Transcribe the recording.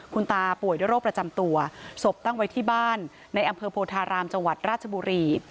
คุณตาป่วยด้วยโรคประจำตัวศพตั้งไว้ที่บ้านในอำเภอโพธารามจังหวัดราชบุรี